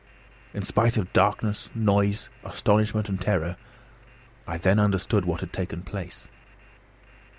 In spite of darkness, noise, astonishment, and terror, I then understood what had taken place.